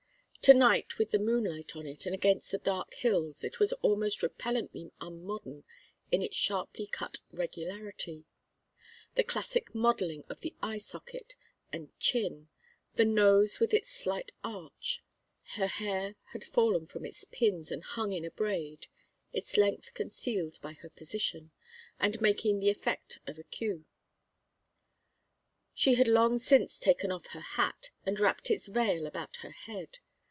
To night with the moonlight on it and against the dark hills it was almost repellently unmodern in its sharply cut regularity, the classic modelling of the eye socket and chin, the nose with its slight arch. Her hair had fallen from its pins and hung in a braid, its length concealed by her position, and making the effect of a queue. She had long since taken off her hat and wrapped its veil about her head.